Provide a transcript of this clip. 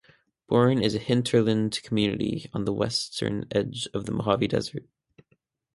Boron is a hinterland community on the western edge of the Mojave Desert.